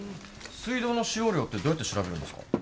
水道の使用量ってどうやって調べるんですか？